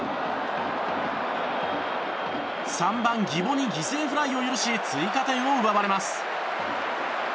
３番、宜保に犠牲フライを許し追加点を奪われます。